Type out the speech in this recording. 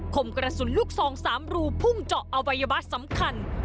มกระสุนลูกซอง๓รูพุ่งเจาะอวัยวะสำคัญ